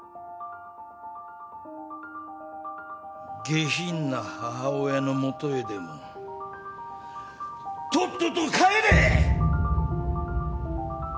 下品な母親の元へでもとっとと帰れ！！